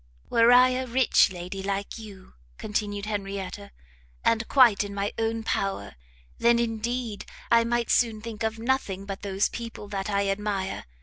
"Were I a rich lady, like you," continued Henrietta, "and quite in my own power, then, indeed, I might soon think of nothing but those people that I admire!